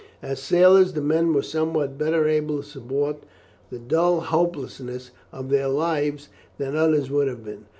As sailors, the men were somewhat better able to support the dull hopelessness of their lives than others would have been.